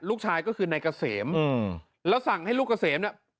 ลูกชายก็คือนายเกษมแล้วสั่งให้ลูกเกษมเนี่ย